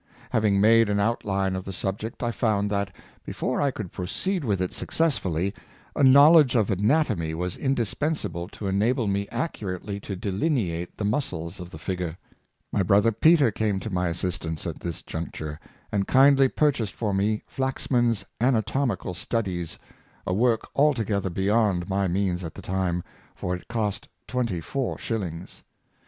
Having made an outline of the subject, I found that, before I could pro ceed v/ith it succesfully, a knowledge of anatomy was indispensable to enable me accurately to delineate the muscles of the figure. My brother Peter came to my as sistance at this juncture, and kindly purchased for me Flaxman's ^ Anatomical Studies '— a work altogether beyond my means at the time, for it cost twenty four shillings.